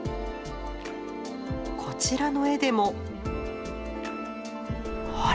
こちらの絵でもほら